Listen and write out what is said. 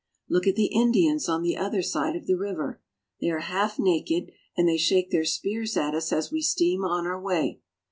Look at the Indians on the other side of the river. They are half naked, and they shake their spears at us as we steam on our way.